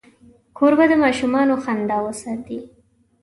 کوربه د ماشومانو خندا وساتي.